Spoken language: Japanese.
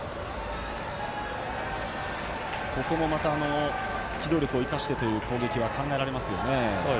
ここも、また機動力を生かしてという攻撃は考えられますよね。